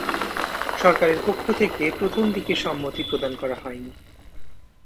সরকারের পক্ষ থেকে প্রথম দিকে সম্মতি প্রদান করা হয়নি।